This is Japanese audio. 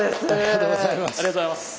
ありがとうございます。